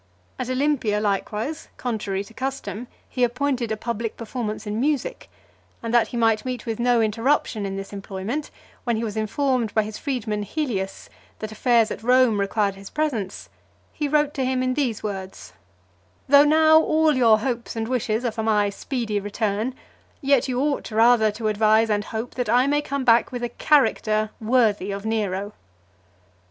At Olympia, likewise, contrary to custom, he appointed a public performance in music: and that he might meet with no interruption in this employment, when he was informed by his freedman Helius, that affairs at Rome required his presence, he wrote to him in these words: "Though now all your hopes and wishes are for my speedy return, yet you ought rather to advise and hope that I may come back with a character worthy of Nero."